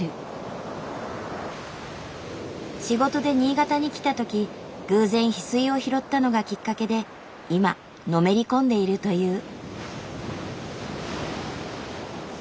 仕事で新潟に来た時偶然ヒスイを拾ったのがきっかけで今のめり込んでいるという。